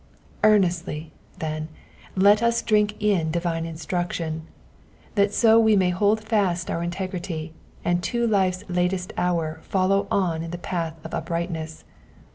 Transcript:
Earnestly, then, let us drink in divine instruction, that so we may hold fast our integrity, and to life's latest hour follow on in the path of uprightness